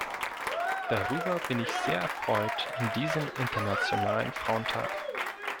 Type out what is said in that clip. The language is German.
Darüber bin ich sehr erfreut an diesem Internationalen Frauentag.